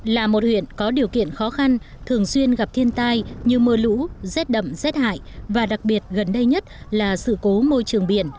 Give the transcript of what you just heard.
là một huyện có điều kiện khó khăn thường xuyên gặp thiên tai như mưa lũ rét đậm rét hải và đặc biệt gần đây nhất là sự cố